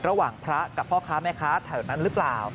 ระหว่างพระกับพ่อค้าแม่ค้าแถวนั้นหรือเปล่า